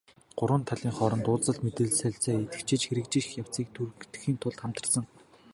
Гурван талын хооронд уулзалт, мэдээлэл солилцоо идэвхжиж, хэрэгжих явцыг түргэтгэхийн тулд хамтарсан механизм шаардлагатай.